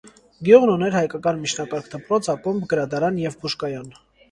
Գյուղն ուներ հայկական միջնակարգ դպրոց, ակումբ, գրադարան և բուժկայան։